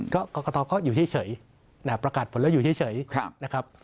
กรกตยังอยู่เฉยประกาศผลเลือกอยู่เฉยนะครับ